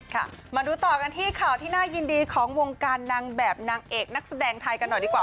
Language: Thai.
ค่ะมาดูต่อกันที่ข่าวที่น่ายินดีของวงการนางแบบนางเอกนักแสดงไทยกันหน่อยดีกว่า